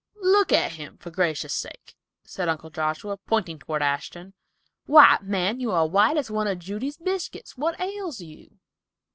"Look at him, for gracious sake," said Uncle Joshua, pointing toward Ashton. "Why man, you are as white as one of Judy's biscuit; what ails you?"